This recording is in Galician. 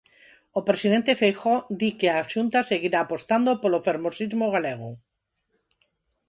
O presidente Feijóo di que a Xunta seguirá apostando polo fermosismo galego.